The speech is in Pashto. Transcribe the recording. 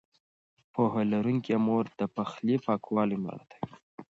پوهه لرونکې مور د پخلي پاکوالی مراعتوي.